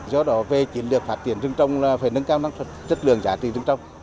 do đó về chiến lược phát triển rừng trồng là phải nâng cao năng suất chất lượng giá trị rừng trồng